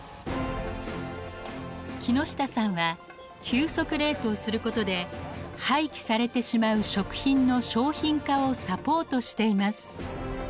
木下さんは急速冷凍することで廃棄されてしまう食品の商品化をサポートしています。